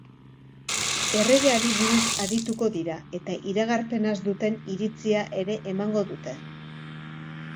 Erregeari buruz arituko dira, eta iragarpenaz duten iritzia ere emango dute.